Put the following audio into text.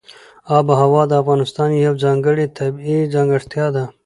آب وهوا د افغانستان یوه ځانګړې طبیعي ځانګړتیا ده.